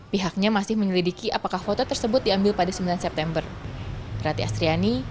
pihaknya masih menyelidiki apakah foto tersebut diambil pada sembilan september